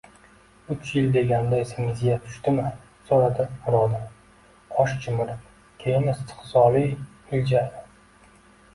Uch yil deganda, esingizga tushdimi, so`radi Mirodil qosh chimirib, keyin istehzoli iljaydi